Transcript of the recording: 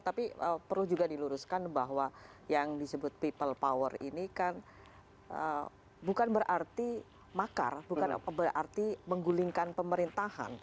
tapi perlu juga diluruskan bahwa yang disebut people power ini kan bukan berarti makar bukan berarti menggulingkan pemerintahan